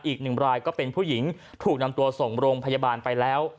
อีกหนึ่งรายก็เป็นผู้หญิงถูกนำตัวส่งโรงพยาบาลไปแล้ว